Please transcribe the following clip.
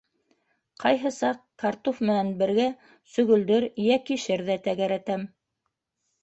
Ҡайһы саҡ картуф менән бергә сөгөлдөр, йә кишер ҙә тәгәрәтәм.